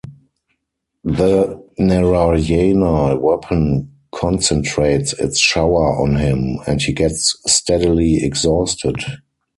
The Narayana weapon concentrates its shower on him, and he gets steadily exhausted.